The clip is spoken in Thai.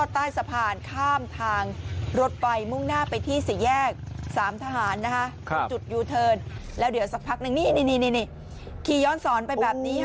ขี่ย้อนศรไปแบบนี้ฮะโอ้ยเสียวซื่อมไปละ